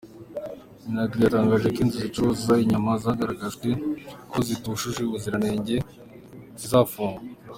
Minagri yatangaje ko inzu zicuruza inyama zagaragajwe ko zitujuje ubuzirangenge zizafungwa.